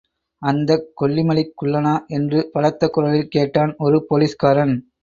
அந்தக் கொல்லிமலைக் குள்ளனா? என்று பலத்த குரலில் கேட்டான் ஒரு போலீஸ்காரன்.